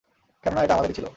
কেননা এটা আমাদেরই ছিল।